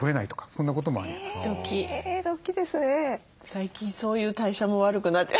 最近そういう代謝も悪くなって。